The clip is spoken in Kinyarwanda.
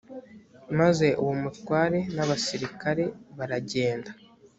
maze uwo mutware n’abasirikare baragenda